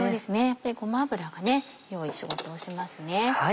ごま油が良い仕事をしますね。